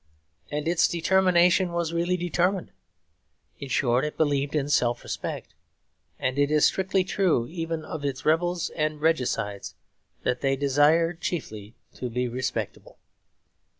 And its determination was really determined. In short, it believed in self respect; and it is strictly true even of its rebels and regicides that they desired chiefly to be respectable.